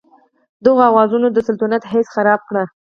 دغو اوازو د سلطنت حیثیت خراب کړ.